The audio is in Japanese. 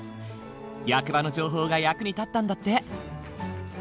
役場の情報が役に立ったんだって。